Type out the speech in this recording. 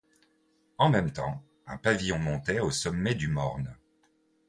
En même temps, un pavillon montait au sommet du morne.